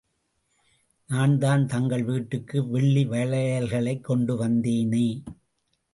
நான்தான் தங்கள் வீட்டுக்கு வெள்ளி வளையல்களைக் கொண்டு வந்தேனே!